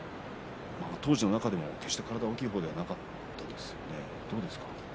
当初の中でも決して大きな体ではなかったですね。